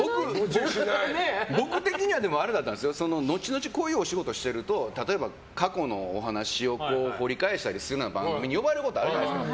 僕的には後々こういうお仕事してると過去のお話を掘り返したりするような番組に呼ばれることあるじゃないですか。